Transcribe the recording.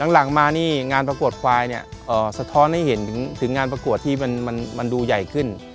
หลังมานี่งานประกวดควายเนี่ยสะท้อนให้เห็นถึงงานประกวดที่มันดูใหญ่ขึ้น